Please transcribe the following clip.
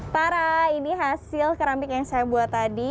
para ini hasil keramik yang saya buat tadi